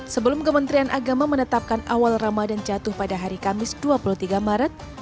sebelum kementerian agama menetapkan awal ramadan jatuh pada hari kamis dua puluh tiga maret